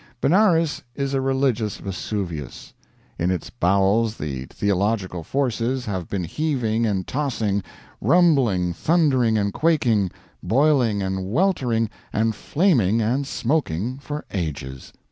Benares is a religious Vesuvius. In its bowels the theological forces have been heaving and tossing, rumbling, thundering and quaking, boiling, and weltering and flaming and smoking for ages.